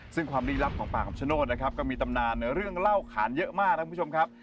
ซึ่งความลี้ลับของป่าคำชโนธนะครับก็มีตำนานในเรื่องเล่าขานเยอะมากนะคุณผู้ชมครับ